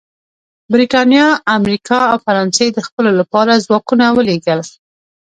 برېټانیا، امریکا او فرانسې د ځپلو لپاره ځواکونه ولېږل